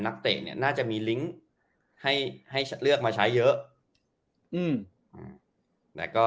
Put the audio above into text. นักเตเนี้ยน่าจะมีลิงค์ให้ให้เลือกมาใช้เยอะอืมแล้วก็